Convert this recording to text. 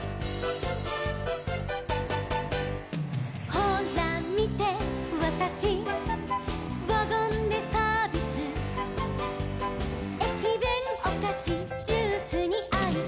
「ほらみてワタシワゴンでサービス」「えきべんおかしジュースにアイス」